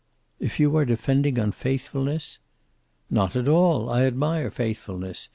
"If you are defending unfaithfulness?" "Not at all. I admire faithfulness.